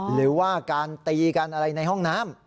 หรือว่าการตีกันอะไรในห้องน้ำ